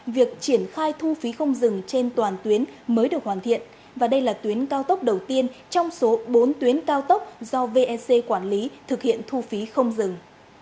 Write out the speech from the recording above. việc triển khai thu phí không dừng trên toàn tuyến mới được hoàn thiện và đây là tuyến cao tốc đầu tiên trong số bốn tuyến cao tốc do vec quản lý thực hiện thu phí không dừng